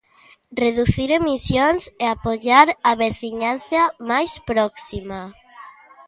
Reducir emisións e apoiar á veciñanza máis próxima.